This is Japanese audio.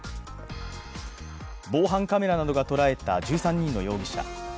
防犯カメラなどが捉えた１３人の容疑者。